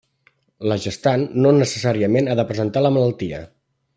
La gestant no necessàriament ha de presentar la malaltia.